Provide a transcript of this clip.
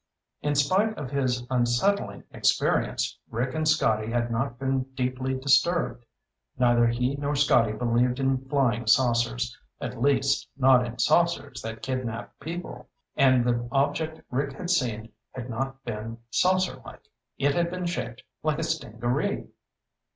In spite of his unsettling experience, Rick and Scotty had not been deeply disturbed. Neither he nor Scotty believed in flying saucers at least, not in saucers that kidnaped people, and the object Rick had seen had not been saucer like. It had been shaped like a stingaree.